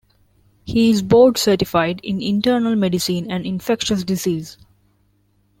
He is board certified in internal medicine and infectious disease.